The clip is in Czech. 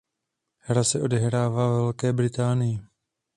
Hra se odehrává ve Velké Británii.